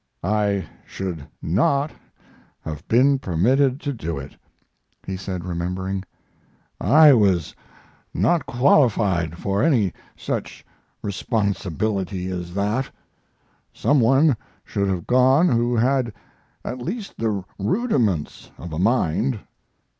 "I should not have been permitted to do it," he said, remembering. "I was not qualified for any such responsibility as that. Some one should have gone who had at least the rudiments of a mind.